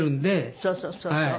そうそうそうそう。